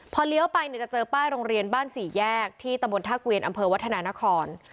พอเลี้ยวไปเนี่ยจะเจอป้ายโรงเรียนบ้านสี่แยกที่ตำบลท่าเกวียนอำเภอวัฒนานคร